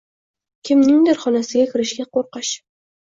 Kimningdir xonasiga kirishga qoʻrqish